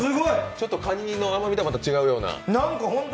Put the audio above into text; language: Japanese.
ちょっと、かにの甘みとまた違うような？